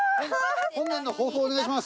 本年の抱負をお願いします。